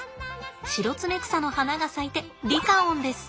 シロツメクサの花が咲いてリカオンです。